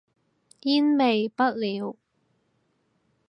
煙味不了